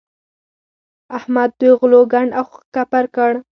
احمد دوی غلو کنډ او کپر کړل.